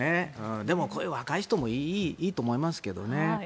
でも、こういう若い人もいいと思いますけどね。